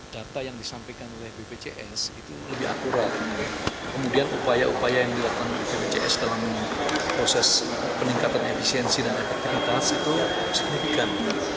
data yang disampaikan oleh bpjs itu lebih akurat kemudian upaya upaya yang dilakukan bpjs dalam proses peningkatan efisiensi dan efektivitas itu signifikan